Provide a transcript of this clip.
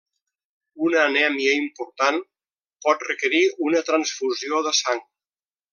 Una anèmia important pot requerir una transfusió de sang.